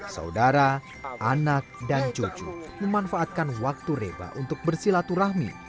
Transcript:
saudara anak dan cucu memanfaatkan waktu reba untuk bersilaturahmi